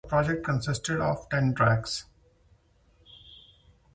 The project consisted of ten tracks.